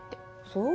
そう。